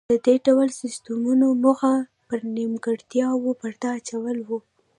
د دې ډول سیستمونو موخه پر نیمګړتیاوو پرده اچول و